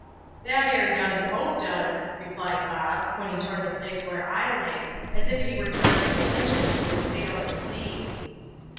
" That ere young cove does," replied Bob, pointing toward the place where I lay, as if he were directing attention to a sail at sea.